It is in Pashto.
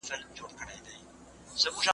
ژبه بايد ساده او منظمه شي.